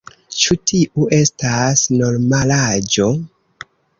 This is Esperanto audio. Ĉu tiu estas normalaĵo?